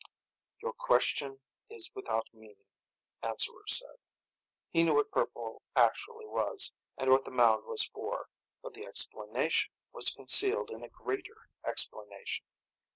"Your question is without meaning," Answerer said. He knew what purple actually was, and what the mound was for. But the explanation was concealed in a greater explanation.